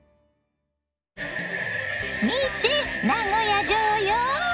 見て名古屋城よ！